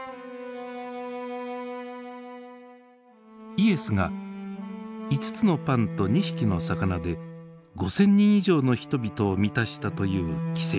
イエスが５つのパンと２匹の魚で５，０００人以上の人々を満たしたという奇跡。